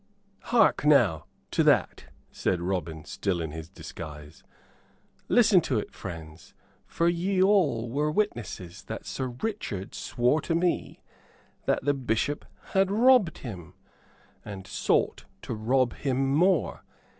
"Hark now to that!" said Robin, still in his disguise. "Listen to it, friends, for ye all were witnesses that Sir Richard swore to me that the Bishop had robbed him, and sought to rob him more.